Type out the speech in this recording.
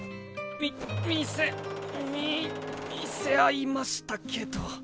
み見せみ見せ合いましたけど。